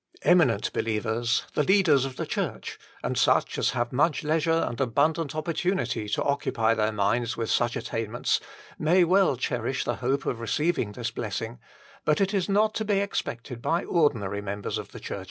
Eminent believers, the leaders of the Church, and such as have much leisure and abundant opportunity to occupy their minds with such attainments, may well cherish the hope of receiving this blessing, but it is not to be expected by ordinary members of the churches.